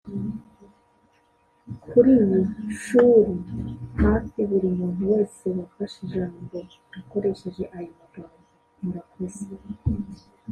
…kuri iyi nshuri hafi buri muntu wese wafashe ijambo yakoresheje aya magambo “Murakoze